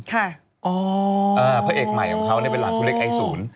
ค่ะอ๋อพระเอกใหม่ของเขาเป็นหลานของคุณเล็กไอศูนย์